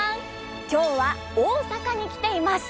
今日は大阪に来ています。